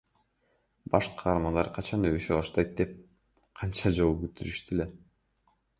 Баш каармандар качан өбүшө баштайт деп канча жолу күттүрүштү эле?